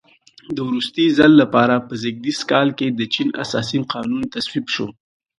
د وروستي ځل لپاره په زېږدیز کال کې د چین اساسي قانون تصویب شو.